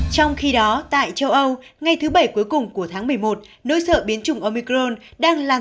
trong khi đó tại châu âu ngay thứ bảy cuối cùng của tháng một mươi một nỗi sợ biến chủng omicron đang làm